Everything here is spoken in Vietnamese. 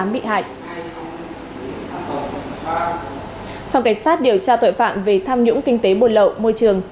phòng cảnh sát điều tra tội phạm về tham nhũng kinh tế buồn lậu môi trường